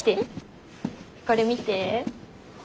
これ見て。